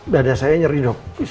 bada saya nyeri dok